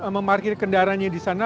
memarkir kendaranya disana